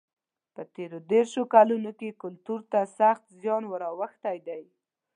په تېرو دېرشو کلونو کې کلتور ته سخت زیان ور اوښتی دی.